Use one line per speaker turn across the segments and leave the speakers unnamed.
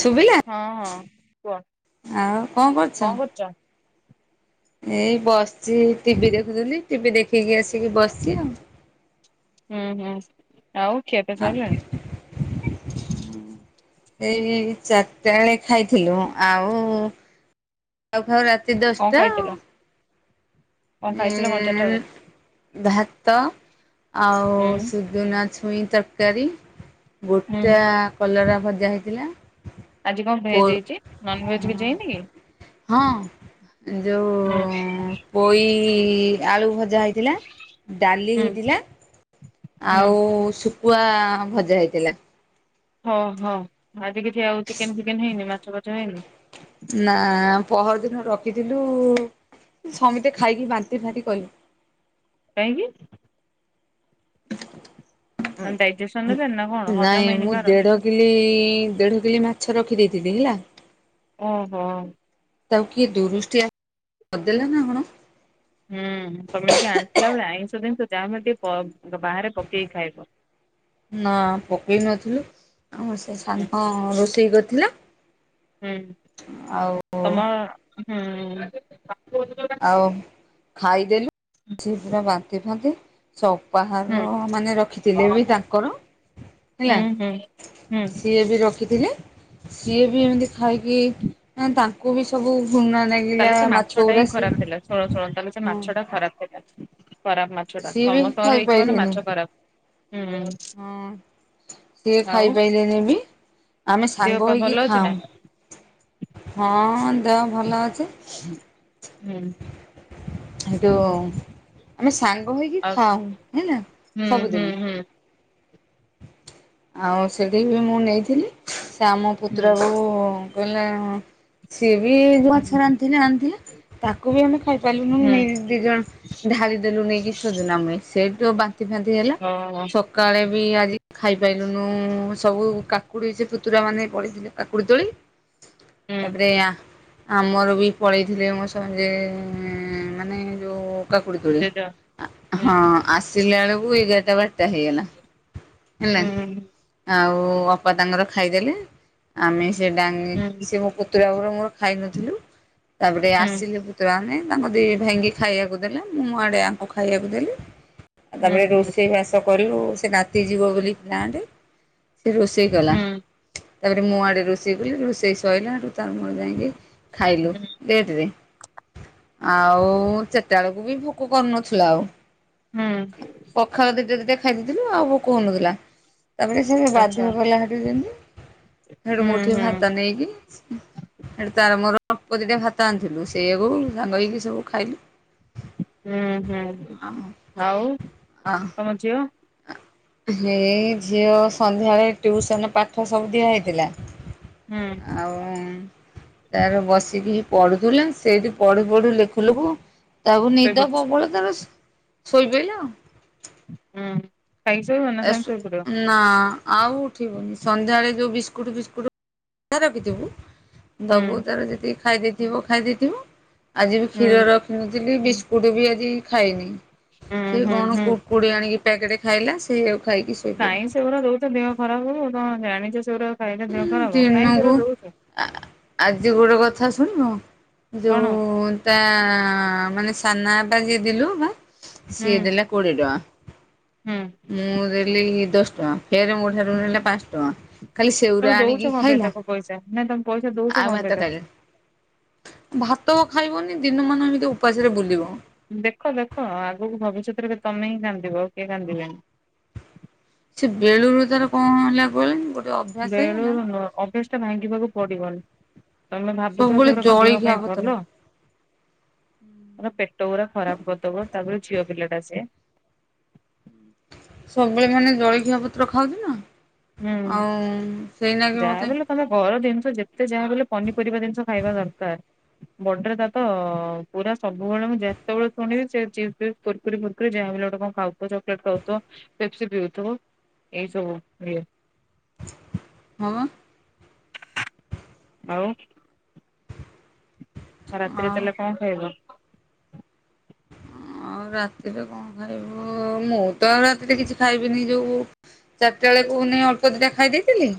ଶୁଭିଲା
ହଁ ହଁ କୁହ
ଆଉ ଙ୍କ
କଣ
କରୁଚ?
କରୁଛ?
ଏଇ ବସଚି ଟିଭି ଦେଖୁଥିଲି ଟିଭି ଦେଖିକି ଆସିକି ବସଚି ଆଉ।
ହୁଁ ହୁଁ ଆଉ କେବେ ସରିଲାଣି?
ଏଇ ଚାରିଟା ବେଳେ ଖାଇଥିଲୁ ଆଉ ଆଉ ଖାଉ ରାତି
କଣ
ଦଶଟା
ଖାଇଥିଲ?
ଆଉ।
କଣ
ଏ
ଖାଇଥିଲ କଣ ଚାରିଟା ବେଳେ?
ଭାତ ଆଉ
ହୁଁ
ସୁଦୁନା ଛୁଇଁ ତରକାରୀ
ହୁଁ
ଗୋଟା କଲରା ଭ ଭଜା ହେଇଥିଲା।
ଆଜି କଣ
ପୋ
ଭେଜ ହେଇଚି ନନଭେଜ କିଛି ହେଇନି କି?
ହଁ ଯଉ
ହୁଁ
ପୋଇ ଆଳୁ ଭଜା ହେଇଥିଲା ଡାଲି
ହୁଁ
ହେଇଥିଲା
ହୁଁ
ଆଉ ସେ ପୁଆ ଭଜା ହେଇଥିଲା।
ହଁ ହଁ ଆଜି କିଛି ଆଉ ଚିକେନ ଫିକେନ ହେଇନି ମାଛ ଫାଛ ହେଇନି।
ନା ପହରଦିନ ରଖିଥିଲୁ ସମୀତେ ଖାଇକି ବାନ୍ତି ଫାନ୍ତି କହିବ।
କାହିଁକି ମାନେ ଡାଇଜେସନ ହେଲାନି ନା କଣ ହଜମ
ନାଇଁ
ହେଇନି
ମୁଁ
କାହାର?
ଦେଢ କିଲେ ଦେଢ କିଲେ ମାଛ ଦିଦି [unintelligible] ଲା
ଓ ହୋ
ତାକୁ କିଏ ଦୁରୁଷ୍ଟିଆ କରିଦେଲା ନା କଣ?
ହୁଁ ତମେ ଟିକ ଆଣଥିଲ ଆଇସ [unintelligible] ମାନ ବ ବାହାରେ ପକେଇକି ଖାଇବ।
ନା ପକେଇ ନଥିଲୁ [unintelligible]
ହୁଁ
ରୋଷେଇ କରିଥିଲେ।
ହୁଁ ତୁମ
ଆଉ ଖାଇଦେଲି ପୁରା ବାନ୍ତି ଫାନ୍ତି ସବୁ ବାହାର ମାନେ ରଖିଥିଲେ ବି ତାଙ୍କର ହେଲା
ହୁଁ ହୁଁ ହୁଁ
ସେ ବି ରଖିଥିଲେ। ସିଏ ବି ଏମିତି ଖାଇ ପିଇକି ମାନେ ତାଙ୍କୁ ବି ସବୁ ଘୃଣା ଲାଗିଲା ମା ପୁରା
ଦେଲା ଶୁଣ ଶୁଣ ତାହେଲେ ସେ ମାଛ ଟା ଖରାପ୍ ଥିଲା। ଖରାପ୍ ମାଛଟା
ସିଏ ବି
ସମସ୍ତଙ୍କ ହେଇଚି ମାନେ
ଖାଇପାଇଲେନି
ମାଛ ପା
ହଁ ସେ
ଆଉ
ଖାଇପାଇଲେନି ବି। ଆମେ
ଦେହ
ସାଙ୍ଗ
ପା
ହୋଇକି
ଭଲ ଅଛି ନା?
ଖାଉ, ଦେହ ଭଲ ଅଛି।
ହୁଁ।
ହେଟୁ ସାନ୍ ଭୂମି କି
ଆଉ
ହଁ ହେଲା
ହୁଁ ହୁଁ
ସବୁଦିନି
ହୁଁ
ଆଉ ସେଇଠି ମୁଁ ନେଇଥିଲି ସେ ଆମ
ହୁଁ
ପୁତୁରା ବୋହୂ କହିଲା ହଁ ସେ ବି ମାଛ
ହୁଁ
ରାନ୍ଧିଥିଲା ଆଣିଥିଲା। ତାକୁ ବି ଆମେ ଖାଇ ପାରିଲୁନୁ,
ହୁଁ
ଇଏ ଦି ଜଣ ଢାଳି ଦେଲୁ ନେଇକି ସୁଜୁନା ମୂଳେ ସେ ଠୁ ବାନ୍ତି ବାନ୍ତି ହେଲା,
ଓହୋ
ସଖାଳେ ବି ଆଜି ଖାଇ ସବୁ କାକୁଡି ଜେ ପୁତୁରା ମାନେ ପଲେଇଥିଲେ କାକୁଡି ତୋଳି।
ହୁଁ
ତାପରେ ଆ ଆମର ବି ପଳେଇଥିଲେ [unintelligible] ହୁଁ ମାନେ ଯୋଉ କାକୁଡି ତୋଲି
ଜେଜ ହୁଁ
ହଁ ଆସ ହେଲାବେଳକୁ ଏଗାର ଟା ବାରଟା ହେଇଗଲା ହେଲା
ହୁଁ
ଆଉ ବୋଉ ବାପା ତାଙ୍କର ଖାଇଦେଲେ ଆମେ ସେ ଡାଙ୍ଗି
ହୁଁ
ସେ ମୋ ପୁତୁରା ବୋହୁ ର ମୋର ଖାଇନଥିଲୁ, ତାପରେ
ହୁଁ
ଆସିଲେ ପୁ ମାନେ ତାଙ୍କ ଦି ଭାଇଙ୍କି ଖାଇବାକୁ ଦେଲା। ମୁଁ ଇଆଡେ ଅଙ୍କୁ ଖାଇବାକୁ ଦେଲି।
ହୁଁ
ତା ପରେ
ହୁଁ
ରୋଷେଇ ବାସ କଲୁ ସେ ନାତି ଯିବ ବୋଲି ପ୍ଲାଣ୍ଟ। ସେ ରୋଷେଇ କଲା
ହୁଁ
ତାପରେ ମୁଁ ଇଆଡେ ରୋଷେଇ କଲି ରୋଷେଇ ସଇଲା ତାପରେ ତାର ମୋର ଯାଈକି ଖାଇଲୁ
ହୁଁ
ଲେଟରେ ଆଉ ଚାରିଟା ବେଳକୁ ବି ଭୋକ କରୁନଥିଲା ଆଉ।
ହୁଁ
ପଖାଳ ଦିଇଟା ଦିଇଟା ଖାଇ ଦେଇଥିଲୁ ଆଉ ଭୋକ ହୋଇନଥିଲା। ତା ପରେ ସେ
ଆଚ୍ଛା
ବାଧ୍ୟ କଲା [unintelligible] ହେଟୁ
ହୁଁ
ମୁଁ ଉଠିକି
ହୁଁ
ଭାତ ନେଇକି ତାର ମୋର ଅଳ୍ପ ଦିଇଟା ଭାତ ଆଣିଥିଲୁ ସେୟାକୁ ସାଙ୍ଗହେଇକି ସବୁ ଖା
ହୁଁ ହୁଁ ଆଉ ତମ ଝିଅ?
ହେ ଝିଅ ସନ୍ଧ୍ୟାରେ ଟିୟୁସନ ପା ପାଠ ସବୁ ଦିଆ ହେଇଥିଲା
ହୁଁ
ଆଉ ତାର ବସିକି ପଢୁଥିଲା, ସେଇଠି ପଢୁ ପଢୁ ଲେଖୁ ଲେଖୁ ତାକୁ ନିଦ
ଶୋଇପଡିଛି
ପ୍ରବଳ ତାକୁ ଶୋଇପଇଲା।
ହୁ।
ନା। ଆଉ ଉଠିବନି ସନ୍ଧ୍ୟାବେଳେ ଯୋଉ ବିସ୍କୁଟ ଫିସ୍କୁଟ ଯାହା ରଖିଥିବୁ
ହୁଁ
ଦବୁ ତାର ଯେତିକି ଖାଇଦେଇଥିବ ଖାଇଦେଇଥିବ ଯେବେ
ହୁଁ
କ୍ଷୀର ରଖିନଥିବୁ ବିସ୍ ବିସ୍କୁଟବି ଆଜି ଖାଇନି ସେ
ହୁଁ ହୁଁ
କଣ
ହୁଁ
କୁର୍କୁରି ଆଣିକି ପ୍ୟାକେଟ ଖାଇଲା ସେୟାକୁ
କାଇଁ ସେଗୁରା ଦେଉଛନ୍ତି ଦେହ ଖରାପ ହେବ [unintelligible]
ଦିନକୁ ଆ ଆଜି [unintelligible] କଥା ଶୁଣିବ
କଣ
ଯୋଉ ତା ମାନେ ସାନା ବାପା ଯିଏ ଦେଲୁ ନା ସିଏ
ହୁଁ
ଦେଲା କୋଡିଏ ଟଙ୍କା ।
ହୁଁ।
ମୁଁ ଦେଲି ଦଶ ଟଙ୍କା ଫେରେ ମୋ ଠାରୁ
ହୁଁ।
ନେଲା ପାଞ୍ଚ ଟଙ୍କା। ଖାଲି
ତମେ
ସେଉରା
ଦଉଛ
ଆଣିକି
କଣ ପାଇଁ
ଖାଇଲା
ତାକୁ ପଇସା ନାଇଁ ତମେ ପଇସା ଦଉଛ
ଆଉ
କଣ ପାଇଁ
ଭାତ
ତାକୁ।
ଖାଇଲାନି। ଭାତ ଖାଇବନି ଦିନମାନ ଏମିତି ଉପାସରେ ବୁଲିବ।
ଦେଖ ଦେଖ ଆଗକୁ ଭବିଷ୍ୟତରେ ତମେ ହିଁ କାନ୍ଦିବ ଆଉ କିଏ କାନ୍ଦିବେନି।
ସେ ବେଳୁରୁ ତାର କଣ ହେଲା କୁହଲି ଗୋ
ବେଳରୁ ନୁହଁ ଅଭ୍ୟାସ ଟା ଭାଙ୍ଗିବାକୁ ପଡିବ। ତମେ ଭାବୁଚ
ସବୁବେଳେ
ସେଉରା କଣ ଦେହ
ଜଳିଖିଆ
ପାଇଁ
ପତ୍ର
ଭଲ। ତାର ପେଟଉରା ଖରାପ କରିଦେବ। ତାପରେ ଝିଅ ପିଲାଟା ସିଏ।
ସବୁବେଳେ ମାନେ ଜଳଖିଆ ପତ୍ର ଖାଉଛି ନା?
ହୁଁ
ଆଉ ସେଇନାଗି
ଯାହା
ମତେ
ବି ହେଲେ ତମ ଘର ଜିନି ଯେତେ ଯାହା ବି ହେଲେ ପନିପରିବା ଜିନିଷ ଖାଇବା ଦରକାର। ବର୍ଡର ତା ତ ପୁରା ସବୁବେଳେ ମୁଁ ଯେତେବେଳେ ଶୁଣିବି। ସେ ଚିପ୍ସ ଫିପ୍ସ କୁର୍କୁରି ଫୁରକୁରି ଯାହାବି ହେଲେ ଗୋଟେ କଣ ଖାଉଥିବ ଚକଲେଟ୍ ଖାଉଥିବ। ପେପ୍ସି ପିଉଥିବ ଏଇ ସବୁ ଇଏ।
ହଁ।
ଆଉ। ଆଉ ରାତିରେ ତାହେଲେ କଣ ଖାଇବ।
ଆଉ ରାତିରେ କଣ ଖାଇବୁ ମୁଁ ତ ଆଉ ରାତିରେ କିଛି ଖାଇବିନି। ଯୋଉ ଚାରିଟା ବେଳକୁ ନେଇ ଅଳ୍ପ ଦିଟା ଖାଇ ଦେଇଥିଲି।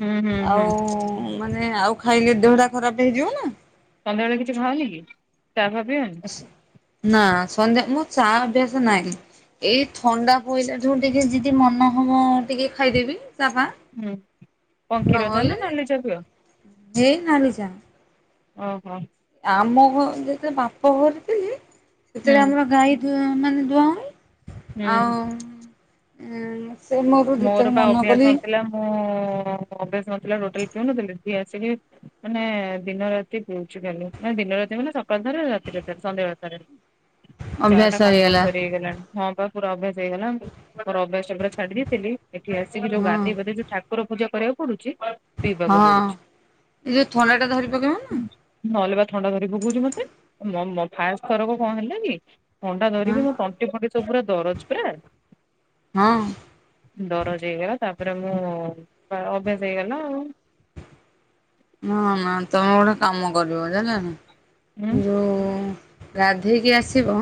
ହୁଁ ହୁଁ
ଆଉ
ହୁଁ
ମାନେ ଏଁ ଆଉ ଖାଇଲେ ଦେହଟା ଖରାପ ହେଇଯିବ ନା।
ସନ୍ଧ୍ୟା ବେଳେ କିଛି ଖାଅନିକି ଚା ଫା ପିଅନି।
ନା ସନ୍ଧ୍ୟା ମୁଁ ଚା ଅଭ୍ୟାସ ନାହିଁ। ଏଇ ଥଣ୍ଡା ପଇଲାଠୁ ଟିକେ ଯିଦି ମନ ହବ ଟିକେ ଖାଇଦେବି। ଚା ଫା
ହୁଁ କଣ କ୍ଷୀର ଚା ନା
ନହଲେ
ନାଲି ଚା ପିଅ?
ହେଇ ନାଲି ଚା।
ଓଃ ହୋ।
ଆମ ଘ ଯେତେବେଳେ ବାପ ଘରେ ଥିଲି।
ହୁଁ
ସେତେବେଳେ ଆମର ଗାଈ ଦୁ ମାନେ ଦୁଆଁ ହୁଏ।
ହୁଁ
ଆଉ ଉଁ ସେ
ମୋର
ଯେତେବେଳେ
ବା
ମନ
ଅଭ୍ୟାସ
କଲି
ନଥିଲା। ମୁଁ ଅଭ୍ୟାସ ନ ଥିଲା ଟୋଟାଲି ପିଉ ନଥିଲି। ଏଠି ଆସିକି ମାନେ ଦିନ ରାତି ପିଉଚି ଖାଲି। ଦିନ ରାତି ମାନେ ସକାଳ ଦିନ ରେ ଥରେ ରାତିରେ ଥରେ ସନ୍ଧ୍ୟା ବେଳେ ଥରେ। ଚା ଟା
ଅଭ୍ୟାସ ହେଇଗଲା
କମ୍ପଲ୍ସରୀ ହେଇଗଲାଣି। ହଁ ପା ପୁରା ଅଭ୍ୟାସ ହେଇଗଲା ମୋର ଅଭ୍ୟାସ ପୁରା ଛାଡି ଦେଇଥିଲି। ଏଠି ଆସିକି ଯୋଉ
ହଁ
ଗାଧେଇ ପାଧେଇ ଯୋଉ ଠାକୁର ପୂଜା କରିବାକୁ ପଡୁଚି ପିଇବାକୁ
ହଁ।
ପଡୁଚି।
ଏ ଯୋଉ ଥଣ୍ଡା ଟା ଧରି ପକେଇବ ନା
ନହେଲେ ବା ଥଣ୍ଡା ଧରି ପୋକୋଉଛି ମତେ। ମୋ ମୋ ଫାଷ୍ଟ ଥରକ କଣ ହେଲା କି? ଥଣ୍ଡା ଧରିକି
ହଁ
ମୋ ତଣ୍ଟି ଫଣ୍ଟି ସବୁ ପୁରା ଦରଜ ପରା।
ହଁ।
ଦରଜ ହେଇଗଲା ତାପରେ ମୁଁ ଅଭ୍ୟାସ ହେଇଗଲା ଆଉ।
ନା ନା ତମେ ଗୋଟେ କାମ କରିବ
ହୁଁ
ଯାଣିଲନା। ଯୋଉ ଗାଧେଇକି ଆସିବ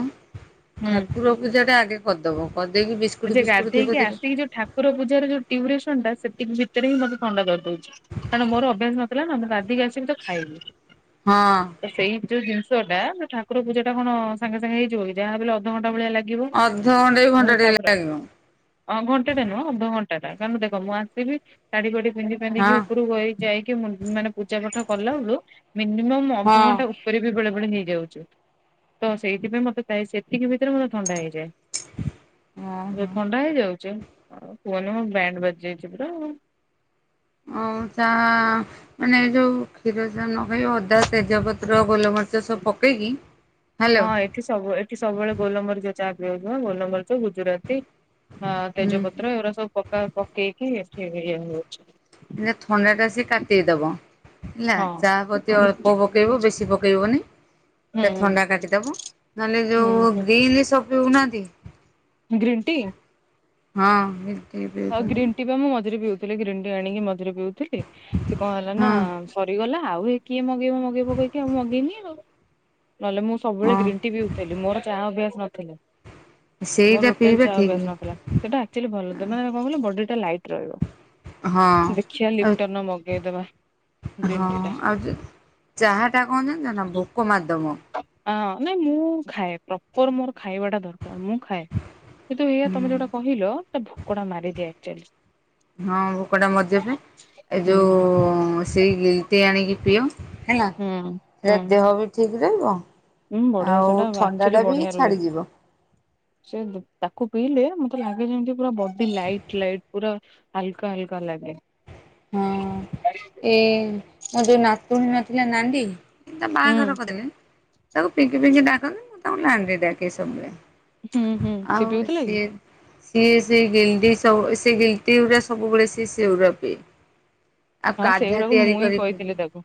ହୁଁ।
ଠାକୁର ପୂଜା ଟା ଆଗେ କରିଦବ। କରିଦେଇକି ବିସ୍କୁଟ
ଯେ
ଫିସ୍କୁଟ ଧୀରେ
ଗାଧେଇକି
ଧୀରେ
ଆସିକି ଯୋଉ ଠାକୁର ପୂଜାର ଯୋଉ ଟିଉରେସନ ଟା। ସେ ଭିତରେ ହିଁ ମତେ ଥଣ୍ଡା ଧରିଦଉଛି। କାରଣ ମୋର ଅଭ୍ୟାସ ନଥିଲା ନା। ମୁଁ ଗାଧେଇକି ଆସିବି ତ ଖାଇବି।
ହଁ।
ତ ସେଇ ଯୋଉ ଜିନିଷଟା ଠାକୁର ପୂଜା ଟା କଣ ସାଙ୍ଗେ ସାଙ୍ଗେ ହେଇଯିବ କି? ଯାହାବି ହେଲେ ଅଧଘଣ୍ଟା ଭଳିଆ ଲାଗି
ଅଧ ଘଣ୍ଟାଏ କି ଘଣ୍ଟା ଟେ ଲା
ଅ ଘଣ୍ଟା ଟେ ନୁହଁ ଅଧଘଣ୍ଟା ଟା କାରଣ ଦେଖ ମୁଁ ଆସିବି। ଶାଢ଼ୀ ଫାଢୀ ପିନ୍ଧି
ହଁ
ଫାନ୍ଧିକି ଉପରୁକୁ ଯାଇକି ମାନେ ପୂଜା ପାଠ କଲା ବେଳୁ। ମିନିମମ୍
ହଁ
ଅଧଘଣ୍ଟା ଉପରେ ବି ବେଳେ ପୁଣି ହେଯାଉଚୁ। ତ ସେଇଥିପାଇଁ ମତେ ପାଏ ସେତିକି ଭିତରେ ମତେ ଥଣ୍ଡା ହେଇଯାଏ।
ଓହୋ
ଥଣ୍ଡା ହେଇଯାଉଛି ଆଉ କୁହନି ମ ବ୍ୟାଣ୍ଡ ବାଜିଯାଇଛି ପୁରା ଆଉ।
ହଉ ଚା ମାନେ ଏ ଯୋଉ କ୍ଷୀର ଚା ନ ଖାଇ ଅଦା ତେଜପତ୍ର ଗୋଲମରିଚ ସବୁ ପକେଇକି ହ୍ୟାଲୋ
ହଁ ଏଠି ସବୁ, ଏଠି ସବୁବେଳେ ଗୋଲମରିଚ ଚା ଗୋଲମରିଚ, ଗୁଜୁରାତି, ହ
ହୁଁ
ତେଜପତ୍ର, ଏଗୁଡା ସବୁ ପ ପକେଇକି ସେଞ [unintelligible]
ଥଣ୍ଡା ଟା ସେ କାଟେଇ ଦବ ହେଲା,
ହଁ
ଚାହା ପତି
ହୁଁ
ଅଳ୍ପ ପକେଇବ, ବେଶୀ ପକେଇ ଇବନି ସେ ଥଣ୍ଡା କାଟିଦବ, ନହେଲେ ଯୋଉ
ହୁଁ
ଗ୍ରୀନ ସ ନା [unintelligible]
ଗ୍ରୀନ୍ ଟି
ହଁ ଟି
ଆଉ
ପିଉଛନ୍ତି
ଗ୍ରୀନ୍ ଟି ବା ମୁଁ ମଝିରେ ପିଉଥିଲି, ଗ୍ରୀନ୍ ଟି ଆଣିକି ମ ମଝିରେ ପିଉଥିଲି, ସେ କଣ ହେଲା ନା
ହଁ
ସରିଗଲା । ଆଉ ଏ କିଏ ମଗେଇବ ମଗେଇବ କହିକି ଆଉ ମଗେଇନି ଆଉ ନହେଲେ ମୁଁ ସବୁବେଳେ
ହଁ
ଗ୍ରୀନ୍ ଟି ବିିଉଥିଲି ମୋର ଚାହା ଅଭ୍ୟାସ ନଥିଲା । ମୋର
ସେଇଟା
ରୋଟାଲି
ପିଇବା
ଚାହା
ଠିକ୍
ଅଭ୍ୟାସ ନଥିଲା, ସେଟା ଆକ୍ଚୁଆଲି ଭଲଥିଲା । ବଡି ଟା ଲାଇଟ ରହିବ,
ହଁ
ଦେଖିବା
ଆଉ
ଲିପଟନର ମଗେଇଦବା ।
ହଁ ଆଉ ଚାହା ଟା କଣ ଜାଣିଚ ନା? ଭୋକ ମାରିଦବ ।
ହଁ, ନାଇଁ ମୁଁ ଖାଏ, ପ୍ରପର ମୋର ଖାଇବାଟା ଦରକାର, ମୁଁ ଖାଏ, କିନ୍ତୁ ଏଇଆ
ହୁଁ
ତମେ ଯୋଉଟା କହିଲ ିଆ [unintelligible]
ହଁ, ଭୋକଟା ମରିଜାଏ ପା, ଏ
ହୁଁ
ଯୋଉ ସେଇ ଗିଟେଇ ଆଣିକି ପିଅଉଁ । ହେଲା,
ହୁଁ
ହେ
ହୁଁ
ଦେହ ବି ଠିକ ରହିବ
ହୁଁ ବଢିଆ ସେଟା
ଆଉ ଥଣ୍ଡା
ଆକ୍ଚୁଆଲି
ଟା ବି
ବଢିଆ ରୁହେ।
ଛାଡିଯିବ ।
ସେ ତାକୁ ପିଇଲେ, ମତେ ଲାଗେ ଯେମିତି -ପୁରା ବଡି ଲାଇଟ ଲାଇଟ, ପୁରା ହାଲକା ହାଲକା ଲାଗେ । ଆରେ [unintelligible]
ହଁ, ଏଇ ମୋ ଯୋଉ ନାତୁଣୀ ନ ଥିଲା -ନାଣ୍ଡି ମୁଁ ତା
ହୁଁ
ବାହାଘର କରିଦେଲି, ତାକୁ ପିଙ୍କିପିଙ୍କି ଡାକନ୍ତି, ମୁଁ ତାକୁ ନା ଧରି ଡାକେ
ହୁଁ
ସବୁବେଳେ
ହୁଁ। ସେ
ଆଉ
ପିଉଥିଲା କି
ସିଏ ସିଏ ସେ ଗିଲତି ସ ସେ ଗିଲଟି ଉୁରା ସବୁବେଳେ ସିଏ ସେଉଡ଼ା ପିଏ। ଆଉ
ହଁ
କାଢା
ସେଇଗୁଡାକ ମୁଁ
ତିଆରି
ହିଁ
କରି ପିଏ।
କହିଥିଲି ତାକୁ,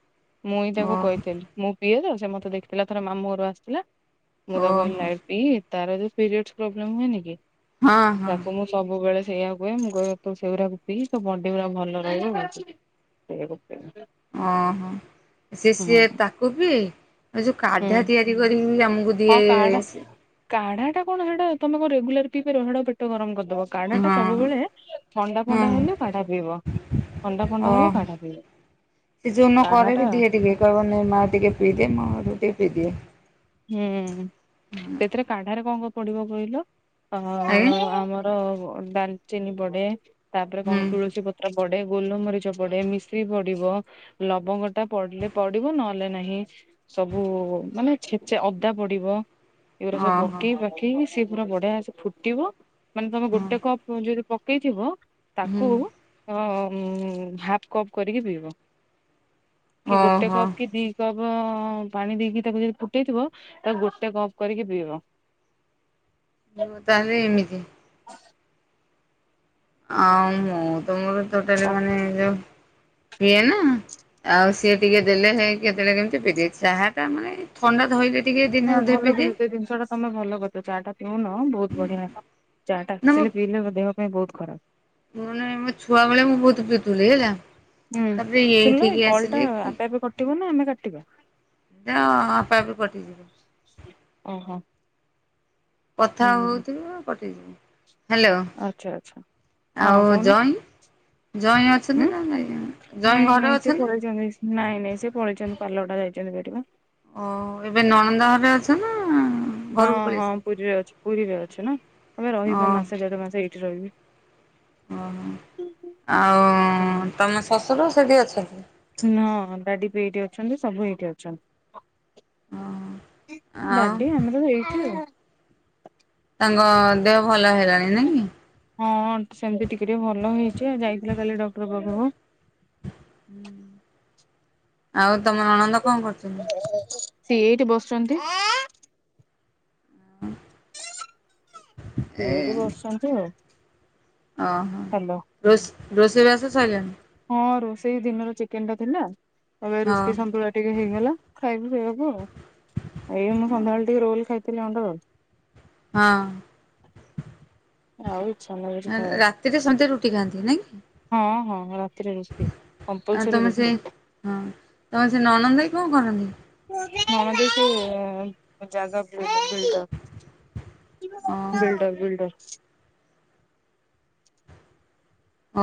ମୁଁ ହିଁ ତାକୁ
ଓହୋ
କହିଥିଲି ମୁଁ ପିଏ ଦ ମତେ ଦେଖିଥିଲା ଥରେ ମାମୁ ଘରୁ ଆସିଥିଲା, ମୁଁ ତ
ଓହୋ
କହିଲ ପି ତାର ଯ ପିରିୟଡ ପ୍ରୋବ୍ଲେମ୍ ହୁଏନି କି?
ହଁ ହଁ
ତାକୁ ମୁଁ ସବୁବେଳେ ସେଇଆ କୁହେ, ମୁଁ କହ ତୁ ସେଇଗୁଡାକୁ ପିଇ, ତୋ ବଡି ଗୁଡା ଭଲ ରହିବ, ସେଇକୁ
ଓହୋ, ସେ
ହୁଁ
ସିଏ ତାକୁ ବି ଏ ଯୋଉ
ହୁଁ
କାଧା ତିଆରି କରି ଆମକୁ ଦିଏ ।
ସେଟା କଣ? ସେଟା ତମେ କଣ ରେଗୁଲାର ପିଇ ପାରିବ, ହେଟା ପେଟ ଗରମ କରି ବ କାଢା ଟା
ହଁ
ସବୁବେଳେ ଥଣ୍ଡା
ହଁ
ଫଣ୍ଡା ହେଲେ କାଢା ପିଇବ । ଥଣ୍ଡା ଫଣ୍ଡା
ଓହୋ।
ହେଲେ, କାଢା ପିଇବ ।
ସେ ଯଉନ କରେ ବି ଦେ ଟିକେ, କହିବ ନେ ମା ଟିକେ ପିଇଦେ, ମୁଁ ହେଟୁ ଟିକେ ପିଇଦିଏ।
ହୁଁ, ସେଥିରେ କାଢାରେ କଣ କ ପଡିବ କହିଲ? ଅ
ଆଜ୍ଞା
ଆମର ଡାଲଚିନି ପଡେ, ତାପରେ
ହୁଁ
କଣ ତୁଳସୀ ପତ୍ର ପଡେ, ଗୋଲମରିଚ ପଡେ, ମିଶ୍ରି ପଡିବ, ଲବଙ୍ଗଟା ପଡିଲେ ପଡିବ ନହେଲେ ନାହିଁ ସବୁ ମାନେ ଛେଚା ଅଦା ପଡିବ, ଏଗୁୁରା ସବୁ
ଓହୋ
ପକେଇ ପକେଇକି ସେ ପୁରା ବଢ଼ିଆ ସେ ଫୁଟିବ ମାନେ ତମେ
ହଁ
ଗୋଟେ କପ୍ ଯଦି ପକେଇଥିବ,
ହୁଁ
ତାକୁ ଅ ଉ ହାଫ୍ କପ୍ କରିକି ପିଇବ, କି ଗୋଟେ
ଓହୋ।
କପ୍ କି ଦି କପ୍ ପାଣି ଦେଇକି ତାକୁ ଯ ଟେଇଥିବ, ତାକୁ ଗୋଟେ କପ କରିକି ପିଇବ।
ହ ତାହେଲେ ଏମିତି । ଆଉ ମୁଁ ତ ମୋର ରୋଟାଲି ମାନେ ଯୋଉ ପିଏ ନା । ଆଉ ସିଏ ଟିକେ ଦେଲେ ହେଇକି କେତେବେଳେ କେମିତି ବି ଦେଇ ଚାହା ଟା ମାନେ ଥଣ୍ଡା ଧଇଦ
ନାଇ ଭଲ କି ସେଇ ଜିନିଷଟା ତମେ ଭଲ କରି ଚାଟା ପିଉନ ବହୁତ ବଢିଆ ଚା ଟା ଆଲେ ପିଇଲେ ଦେହ ପାଇଁ ବହୁତ ଖରାପ।
ମନେ ମୋ ଛୁଆ ବେଳେ ମୁଁ ବହୁତ ପିଥିଲି ହେଲା!
ହୁଁ
ତାପରେ
ଶୁଣିଲ ଏଇ
ଏଇଠିକି
କଳ
ଆସିଲି
ଟା ଆପେ ଆପେ କଟିବ ନା ଆମେ କାଟିବା?
ନାଁ ଆପେ ଆପେ କଟିଯିବ।
ଓହୋ
କଥା ହଉଥିବ ନା ପଟିଯିବ।
ଆଛା ଆଛା ହଁ କହୁନୁ?
ଜଇଁ ଜଇଁ ଅଛନ୍ତି ନା ନାଇଁ ଜଇଁ
ନାଇଁ
ଘରେ
ନାଇଁ ସେ
ଅଛନ୍ତି?
ପଳେଇଛନ୍ତି ନାଇଁ ନାଇଁ ସେ ପଳେଇଛନ୍ତି। ପାଲଟା ଯାଇଛନ୍ତି ପେଟିବା
ଓ ଏବେ ନଣନ୍ଦ ଭାବେ ଅଛ ନା
ହଁ
ଘରକୁ ପଳେଇ
ହଁ
ଆସିଲେ?
ପୁରୀରେ ଅଛି ପୁରୀରେ ଅଛି ନା ଏମ
ଓ
ରହିବ ମାସେ ଢ ମାସ ଏଇଠି। ରହିବି।
ଓ ହୋ, ଆଉ
ହୁଁ
ତମ ଶଶୁର ସେଠି ଅଛନ୍ତି?
ଅ ସବୁ ଏଇଠି
ହଁ
ଅଛନ୍ତି,
ଆଉ
ଡାଡି ଆମର ଏଇଠି ଆଉ।
ତାଙ୍କ ଦେହ ଭଲ ହେଲାଣି ନ କି?
ହଁ ସେମିତି ଟିକେ ଟିକେ ଭଲ ହେଇଛି ଯାଇଥିଲା କାଲି ଡକ୍ଟର ବାବୁ [inaudible]
ଆଉ ତମର ଅଣନ୍ଦ କଣ କରୁଛନ୍ତି?
ସିଏ ଏଇଠି ବସଛନ୍ତି।
ହଁ।
ସେ ଏଇଠି ବସିଛନ୍ତି ଆଉ।
ଓହୋ
ହାଲୋ
ର ରୋଷେଇବାସ ସିଲଣି?
ସେଇ ଦିନର ଚିକେନ ଟା ଥିଲା ଆଉ
ହଁ
ରୁଟି ସନ୍ତୁ ଟିକେ ହେଇଗଲା ଖାଇବା ପିଇବାକୁ ଆଉ। ଏଇଁ ସନ୍ଧ୍ୟା ବେଳେ ଟିକେ ରୋଲ ଖାଇଥିଲି କଣ୍ଡଦ
ହଁ।
ଆଉ ଛା ମ ଖ
ରାତିରେ ସନ୍ଧ୍ୟା ରୁଟି ଖାଆନ୍ତି ନାଇଁ କି?
ହଁ ହଁ। ରାତିରେ ରୁଟି
ଆଉ
କମ୍ପଲସରୀ
ତମେ ସେ
ରୁଟି
ହଁ ତମେ ସେ ନନନ୍ଦ ଭାଇ କଣ କରନ୍ତି?
ଆ ଦେ ତ ଜାଗା ବ ବିଲ୍ଡର
ଓହୋ
ବିଲ୍ଡର ବିଲ୍ଡର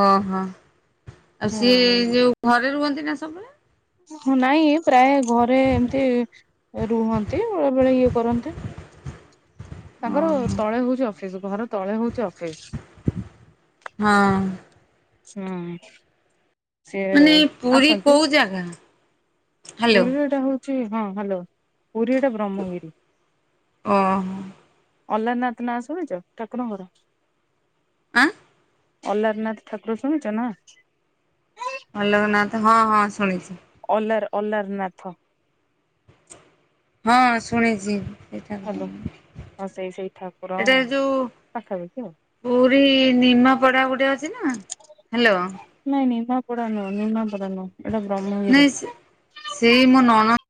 ଓହୋ ଆଉ ସିଏ ଯୋଉ ଘରେ ରୁହନ୍ତି ନା ସବୁବେଳେ?
ହ ନାଇଁ ପ୍ରାୟ ଘରେ ଏମିତି ରୁହନ୍ତି ବେଳେ ବେଳେ ଇଏ କରନ୍ତି। ତାଙ୍କର
ଓହୋ
ତଳେ ହଉଛି ଅଫିସ୍ ଘର ତଳେ ହଉଛି ଅଫିସ୍
ହଁ।
ହୁଁ ସିଏ
ମାନେ ପୁରୀ
ଆସନ୍ତି।
କୋଉ ଜାଗା? ହ୍ୟାଲୋ
ପୁରୀରେ ଏଟା ହଉଛି ହଁ ହ୍ୟାଲୋ ପୁରୀ ଏଟା ବ୍ରହ୍ମଗିରି
ଓ।
ଅଲନାଥ ନାଁ ଶୁଣିଛ ଠାକୁର ଙ୍କର?
ଆ!
ଅହ୍ଲାରନାଥ ଠାକୁର ଶୁଣୁଛ ନା?
ଅଲୋକନାଥ ହଁ ହଁ ଶୁଣିଛି।
ଅଲାର ଅଲାର ନାଥ
ହଁ ଶୁଣିଛି ସେଟା କ
ହ୍ୟାଲୋ ହଁ ସେଇ ସେଇ ଠାକୁର ପାଖାପାଖି ଆଉ।
ପୁରୀ ନିମା ପଡା ଗୋଟେ ଅଛି ନା? ହ୍ୟାଲୋ
ନାଇଁ ନିମା ପଢ଼ାନୁ ନିମା ପଢ଼ାନୁ
ନାଇଁ ସେଇ ମୋ ନଣ